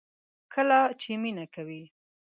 کله چې مینه کوئ